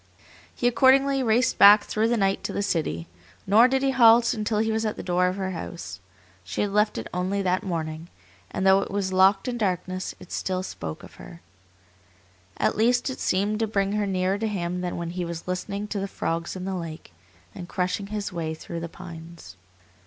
He accordingly raced back through the night to the city; nor did he halt until he was at the door of her house. She had left it only that morning, and though it was locked in darkness, it still spoke of her. At least it seemed to bring her nearer to him than when he was listening to the frogs in the lake, and crushing his way through the pines.